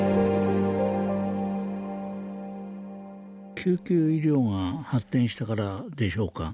救急医療が発展したからでしょうか。